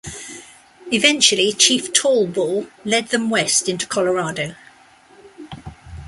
Eventually, Chief Tall Bull led them west into Colorado.